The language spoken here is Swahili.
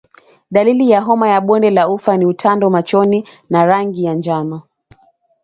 Dalili ya homa ya bonde la ufa ni utando machoni na rangi ya njano